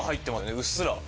うっすら。